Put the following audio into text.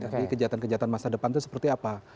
jadi kejahatan kejahatan masa depan itu seperti apa